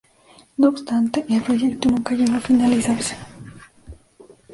No obstante el proyecto nunca llegó a finalizarse.